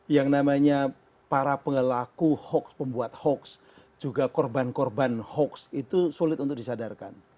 yang namanya para pengelaku hoax pembuat hoax juga korban korban hoax itu sulit untuk disadarkan